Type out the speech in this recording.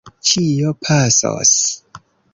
Ĉio pasos!